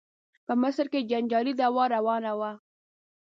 په مصر کې جنجالي دعوا روانه وه.